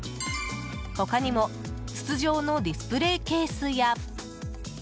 他にも筒状のディスプレーケースや。